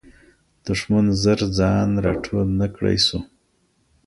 دښمن زر ځان را ټول نه کړی سو.